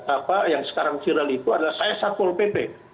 apa yang sekarang viral itu adalah saya satpol pp